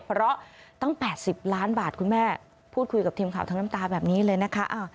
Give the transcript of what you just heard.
เพราะตั้ง๘๐ล้านบาทคุณแม่พูดคุยกับทีมข่าวทั้งน้ำตาแบบนี้เลยนะคะ